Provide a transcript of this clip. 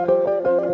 lalu dia nyaman